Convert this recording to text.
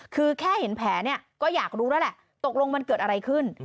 คือแค่เห็นแผลเนี่ยก็อยากรู้แล้วแหละตกลงมันเกิดอะไรขึ้น